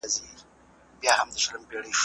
د ګیم له لارې ټایپنګ زده کول خوندور دي.